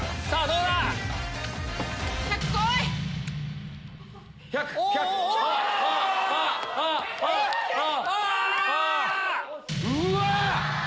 うわっ！